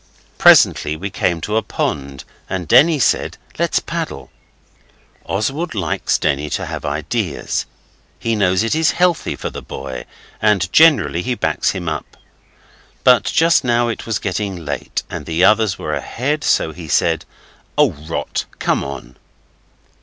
Presently we came to a pond, and Denny said 'Let's paddle.' Oswald likes Denny to have ideas; he knows it is healthy for the boy, and generally he backs him up, but just now it was getting late and the others were ahead, so he said 'Oh, rot! come on.